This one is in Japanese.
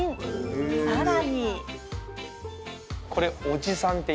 さらに。